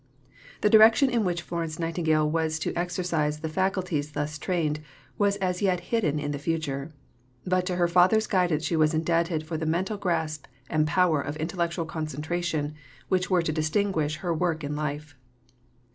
The direction in which Florence Nightingale was to exercise the faculties thus trained was as yet hidden in the future; but to her father's guidance she was indebted for the mental grasp and power of intellectual concentration which were to distinguish her work in life.